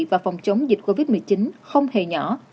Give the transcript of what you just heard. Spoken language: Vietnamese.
và phòng chống dịch covid một mươi chín không hề nhỏ